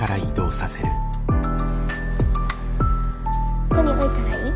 ここに置いたらいい？